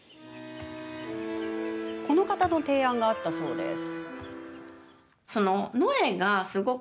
この方の提案があったそうです。